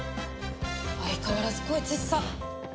相変わらず声ちっさ！